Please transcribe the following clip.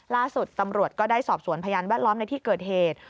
ล่าสุดตำรวจก็ได้สอบสวนพยานแวดล้อมในที่เกิดเหตุ